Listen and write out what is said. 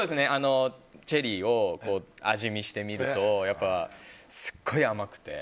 チェリーを味見してみるとやっぱり、すごい甘くて。